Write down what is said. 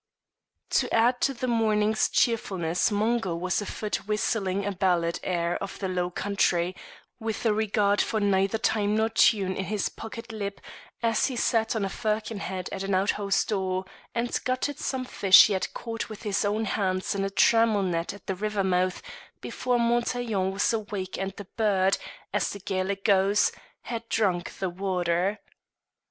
To add to the morning's cheerfulness Mungo was afoot whistling a ballad air of the low country, with a regard for neither time nor tune in his puckered lips as he sat on a firkin head at an outhouse door and gutted some fish he had caught with his own hands in a trammel net at the river mouth before Montaiglon was awake and the bird, as the Gaelic goes, had drunk the water.